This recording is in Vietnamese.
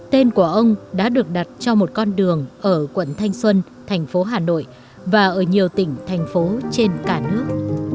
tên của ông đã được đặt cho một con đường ở quận thanh xuân thành phố hà nội và ở nhiều tỉnh thành phố trên cả nước